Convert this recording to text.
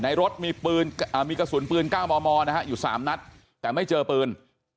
ในรถมีกระสุนปืน๙มมนะฮะอยู่๓นัดแต่ไม่เจอปืน